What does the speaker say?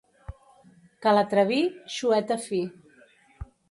Calatraví, xueta fi.